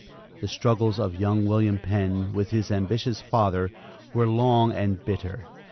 The struggles of young William Penn with his ambitious father, were long and bitter.